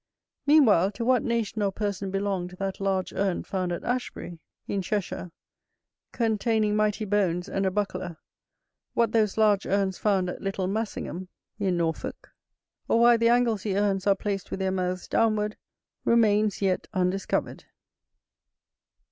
Meanwhile to what nation or person belonged that large urn found at Ashbury,[AO] containing mighty bones, and a buckler; what those large urns found at Little Massingham;[AP] or why the Anglesea urns are placed with their mouths downward, remains yet undiscovered.